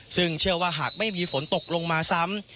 ซึ่งเชื่อว่าหากไม่มีฝนตกลงมาซ้ำ